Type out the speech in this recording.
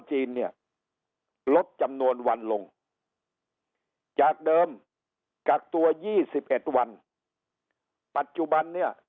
จีนเนี่ยลดจำนวนวันลงจากเดิมกักตัว๒๑วันปัจจุบันเนี่ย